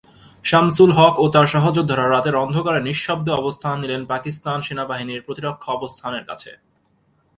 শামসুল হক ও তার সহযোদ্ধারা রাতের অন্ধকারে নিঃশব্দে অবস্থান নিলেন পাকিস্তান সেনাবাহিনীর প্রতিরক্ষা অবস্থানের কাছে।